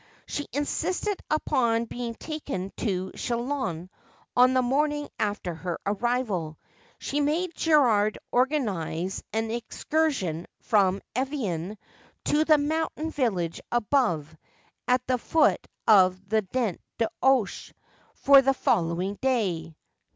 She insisted upon being taken to Chillon on the morning after her arrival. She made Gerald organise an excursion from Evian to the mountain village above, at the foot of the Dent d'Oche, for the following day.